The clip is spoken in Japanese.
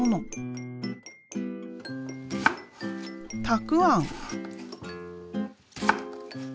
たくあん。